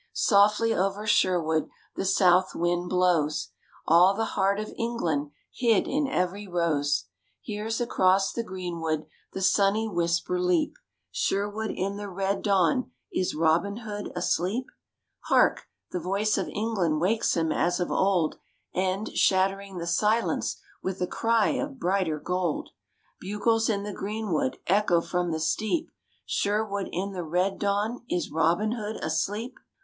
Softly over Sherwood the south wind blows; All the heart of England hid in every rose Hears across the greenwood the sunny whisper leap, Sherwood in the red dawn, is Robin Hood asleep? Hark, the voice of England wakes him as of old And, shattering the silence with a cry of brighter gold, Bi'gles in the greenwood echo from the steep, Sherwood in the red dawn, is Robin Hood asleep?